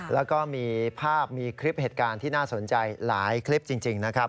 แล้วก็มีภาพมีคลิปเหตุการณ์ที่น่าสนใจหลายคลิปจริงนะครับ